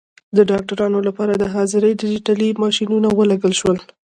د ډاکټرانو لپاره د حاضرۍ ډیجیټلي ماشینونه ولګول شول.